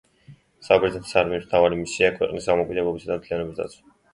საბერძნეთის არმიის მთავარი მისიაა ქვეყნის დამოუკიდებლობის და მთლიანობის დაცვა.